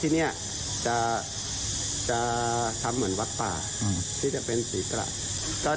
ที่เนี้ยจะจะทำเหมือนวัดป่าอือที่จะเป็นสีกล่ะก็เดี๋ยว